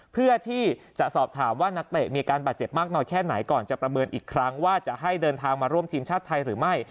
เพื่อที่จะสอบถามว่านักเตะมีอาการบาดเจ็บมากน้อยแค่ไหนก่อนจะประเมินอีกครั้งว่าจะให้เดินทางมาร่วมทีมชาติไทยหรือไม่